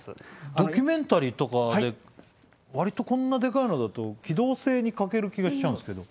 ドキュメンタリーとかで割とこんなでかいのだと機動性に欠ける気がしちゃうんですけど。